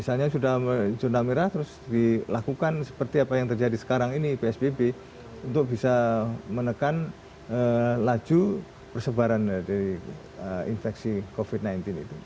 jadi ini sudah jurnal merah terus dilakukan seperti apa yang terjadi sekarang ini psbb untuk bisa menekan laju persebaran dari infeksi covid sembilan belas itu